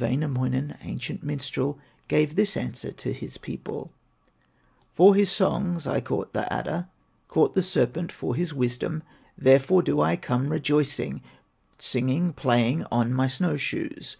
Wainamoinen, ancient minstrel, Gave this answer to his people: "For his songs I caught the adder, Caught the serpent for his wisdom; Therefore do I come rejoicing, Singing, playing, on my snow shoes.